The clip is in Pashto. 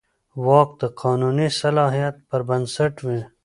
واک د قانوني صلاحیت پر بنسټ وي.